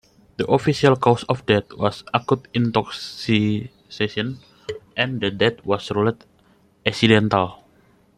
The official cause of death was acute intoxication, and the death was ruled accidental.